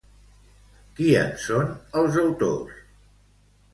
Qui en són els autors?